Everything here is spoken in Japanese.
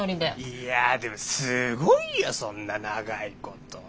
いやでもすごいよそんな長いこと。